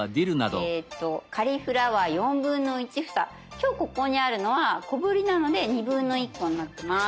今日ここにあるのは小ぶりなので1/2コになってます。